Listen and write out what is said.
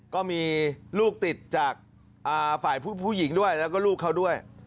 ก็มีลูกติดจากฝ่ายผู้หญิงด้วยแล้วก็ลูกเขาด้วย